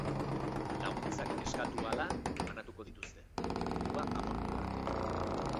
Laguntzak eskatu ahala banatuko dituzte, dirua agortu arte.